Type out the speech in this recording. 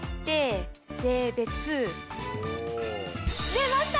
出ました！